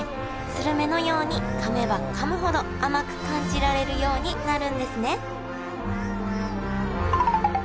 するめのようにかめばかむほど甘く感じられるようになるんですね